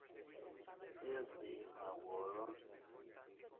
Is This My World?